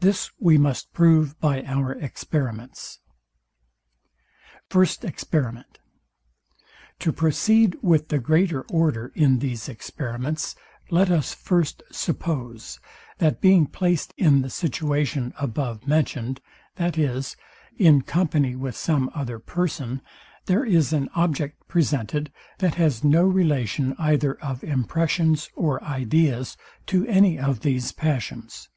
This we must prove by our experiments. First Experiment. To proceed with the greater order in these experiments, let us first suppose, that being placed in the situation above mentioned, viz, in company with some other person, there is an object presented, that has no relation either of impressions or ideas to any of these passions.